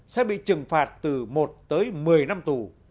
sẽ bị trừng phạt từ một tới một mươi năm tù